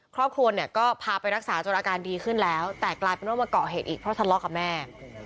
ครอบครัวเนี่ยก็พาไปรักษาจนอาการดีขึ้นแล้วแต่กลายเป็นว่ามาเกาะเหตุอีกเพราะทะเลาะกับแม่